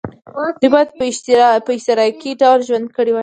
دوی باید په اشتراکي ډول ژوند کړی وای.